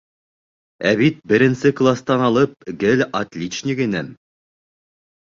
Ә бит беренсе кластан алып гел отличник инем.